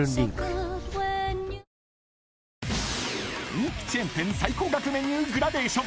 ［人気チェーン店最高額メニューグラデーション］